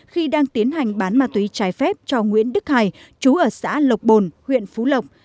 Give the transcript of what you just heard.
khi đang tiến hành bán ma túy trái phép cho nguyễn đức hải chú ở xã lộc bồn huyện phú lộc